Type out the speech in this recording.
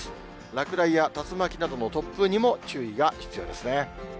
落雷や竜巻などの突風にも注意が必要ですね。